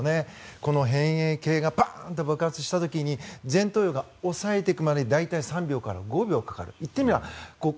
この辺縁系がバーンと爆発した時前頭葉が抑えていくまでに大体３秒から５秒かかる。